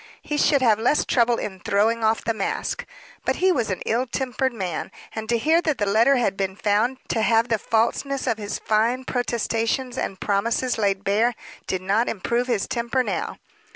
He should have less trouble in throwing off the mask. But he was an ill tempered man; and to hear that the letter had been found to have the falseness of his fine protestations and promises laid bare, did not improve his temper now.